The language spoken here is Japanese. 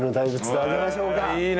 いいね！